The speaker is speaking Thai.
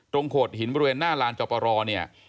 ตรงโขดหินบริเวณหน้าร้านจอประรอบเนี่ย